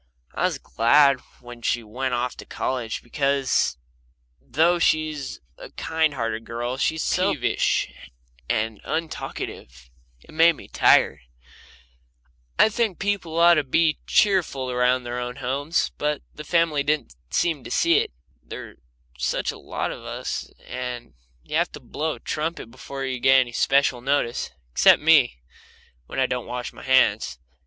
I was glad when she went off to college, because, though she's a kind hearted girl, she was so peevish and untalkative it made me tired. I think people ought to be cheerful around their own homes. But the family didn't seem to see it; there are such a lot of us that you have to blow a trumpet before you get any special notice except me, when I don't wash my hands.